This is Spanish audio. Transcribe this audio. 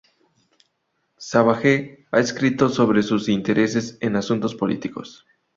Savage ha escrito sobre sus intereses en asuntos políticos.